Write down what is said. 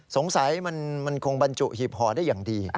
สงสัยมันคงบรรจุหีบห่อได้อย่างดี